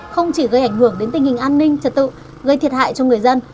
không chỉ gây ảnh hưởng đến tình hình an ninh trật tự gây thiệt hại cho người dân